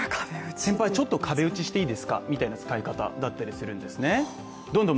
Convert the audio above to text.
先輩、ちょっと壁打ちしていいですかみたいな使い方だったりするんですね。